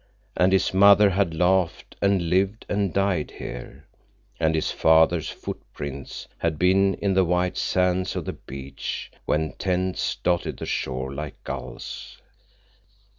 And his mother had laughed and lived and died here, and his father's footprints had been in the white sands of the beach when tents dotted the shore like gulls.